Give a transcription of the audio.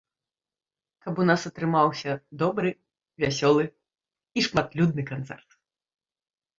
Каб у нас атрымаўся добры, вясёлы і шматлюдны канцэрт.